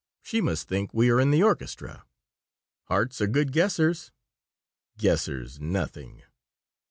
"She must think we are in the orchestra." "Hearts are good guessers." "Guessers nothing."